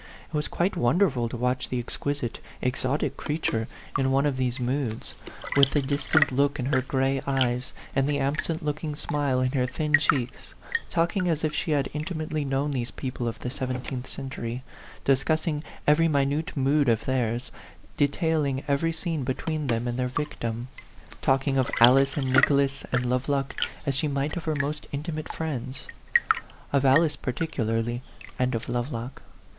It was quite wonderful to watch the exquisite, exotic creature in one of these A PHANTOM LOVER 71 moods, with the distant look in her gray eyes, and the absent looking smile in her thin cheeks, talking as if she had intimately known these people of the seventeenth cen tury, discussing every minute mood of theirs, detailing every scene between them and their victim, talking of Alice and Nicholas and Lovelock as she might of her most inti mate friends. Of Alice particularly, and of Lovelock.